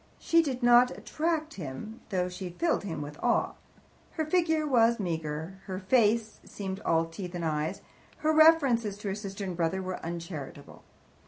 She did not attract him, though she filled him with awe. Her figure was meagre, her face seemed all teeth and eyes, her references to her sister and brother were uncharitable.